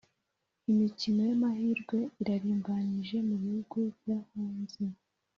Imikino yamahirwe irarimbanyije mubihugu byohanze